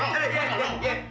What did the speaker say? wah di sini